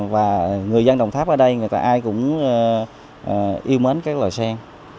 và người dân đồng tháp ở đây người ta ai cũng yêu mến các loài sen